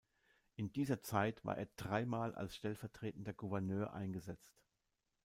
In dieser Zeit war er dreimal als stellvertretender Gouverneur eingesetzt.